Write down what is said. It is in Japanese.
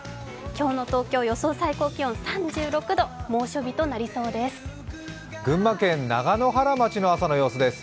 今日の東京、予想最高気温３６度、猛暑日となりそうです。